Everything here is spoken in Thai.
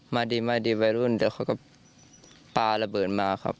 มาดีไวรุนเดี๋ยวเขาก็ป้าระเบิร์นมาครับ